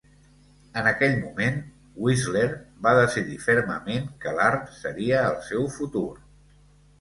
En aquell moment, Whistler va decidir fermament que l'art seria el seu futur.